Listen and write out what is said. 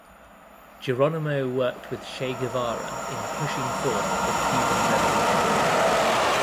Jeronimo worked with Che Guevara in pushing forth the Cuban Revolution.